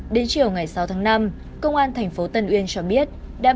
đến chiều ngày sáu tháng năm công an thành phố tân uyên cho biết